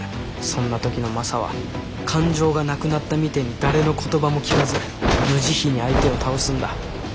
そんな時のマサは感情がなくなったみてえに誰の言葉も聞かず無慈悲に相手を倒すんだ。